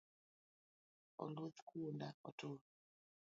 Oluth kuonda otur